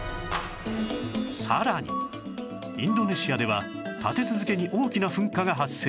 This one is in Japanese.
さらにインドネシアでは立て続けに大きな噴火が発生